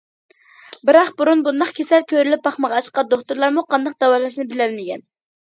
بىراق بۇرۇن بۇنداق كېسەل كۆرۈلۈپ باقمىغاچقا، دوختۇرلارمۇ قانداق داۋالاشنى بىلەلمىگەن.